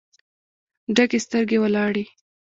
ډکې سترګې ولاړې